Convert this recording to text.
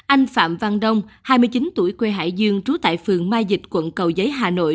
anh phạm văn đông hai mươi chín tuổi quê hải dương trú tại phường mai dịch quận cầu giấy hà nội